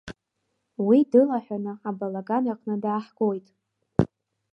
Уи дылаҳәаны абалаган аҟны дааҳгоит.